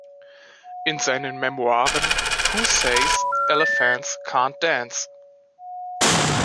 In seinen Memoiren Who Says Elephants Can't Dance?